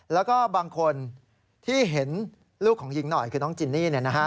แล้วก็บางคนที่เห็นลูกของหญิงหน่อยคือน้องจินนี่